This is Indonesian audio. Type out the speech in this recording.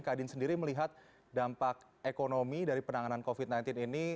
kadin sendiri melihat dampak ekonomi dari penanganan covid sembilan belas ini